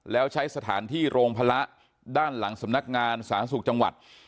แล้วใช้สถานที่โรงพละด้านหลังสำนักงานสาธารณสุขจังหวัด